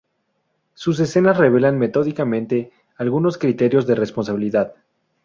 Sus escenas revelan metódicamente algunos criterios de responsabilidad.